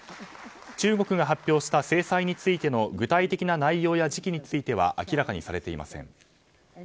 中国が発表した制裁についての具体的な内容や時期については明らかにされていません。